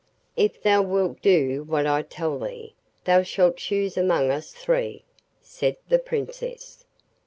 'If thou wilt do what I tell thee, thou shalt choose among us three,' said the Princess.